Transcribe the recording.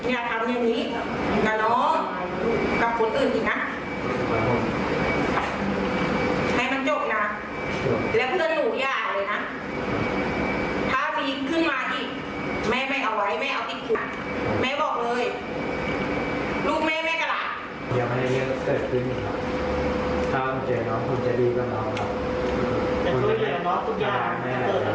อยากให้เรื่องเสร็จพิมพ์ถ้ามันเจ๋งน้องคุณจะดีก็มองครับ